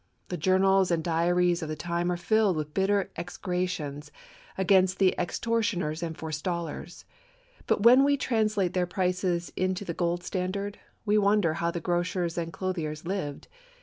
The journals and diaries of the time are filled with bitter execrations against the extortioners and forestallers ; but when we trans late their prices into the gold standard, we wonder how the grocers and clothiers lived.